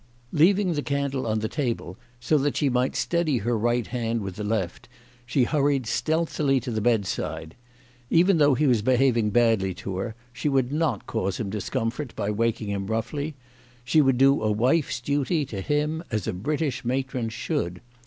Leaving the candle on the table so that she might steady her right hand with the left, she hurried stealthily to the bedside. Even though he was be having badly to her, she would not cause him discom fort by waking him roughly. She would do a wife's duty to him as a British matron should.